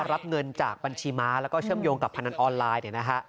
รับเงินจากบัญชีม้าและเชื่อมโยงกับพนันออนไลน์